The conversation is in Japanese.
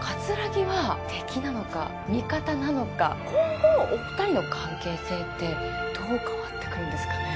木は敵なのか味方なのか今後お二人の関係性ってどう変わってくるんですかね？